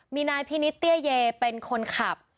มีคนเสียชีวิตคุณ